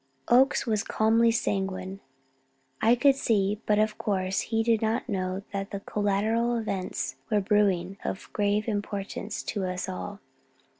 Oakes was calmly sanguine, I could see, but of course he did not know that collateral events were brewing of grave importance to us all.